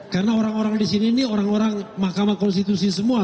karena orang orang disini ini orang orang mahkamah konstitusi semua